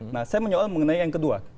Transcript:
nah saya menyoal mengenai yang kedua